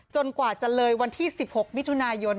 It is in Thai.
กว่าจะเลยวันที่๑๖มิถุนายน